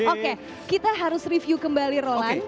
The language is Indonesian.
oke kita harus review kembali roland